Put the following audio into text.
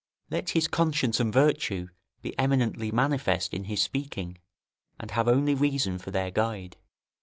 Let his conscience and virtue be eminently manifest in his speaking, and have only reason for their guide.